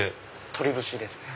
鶏節ですね。